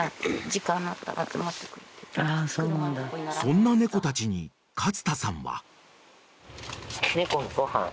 ［そんな猫たちに勝田さんは］